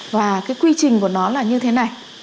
và cái quy trình của nó là như thế này